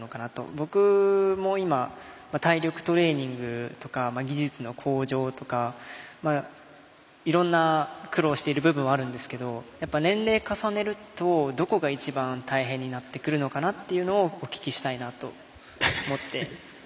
僕も今、体力トレーニングとか技術の向上とかいろんな苦労している部分はあるんですけどやっぱり年齢重ねるとどこが一番大変になってくるのかなというのをお聞きしたいなと思って。